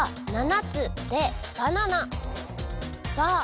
「ば」